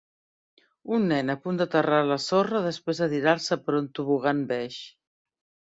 Un nen a punt d'aterrar a la sorra després de tirar-se per un tobogan beix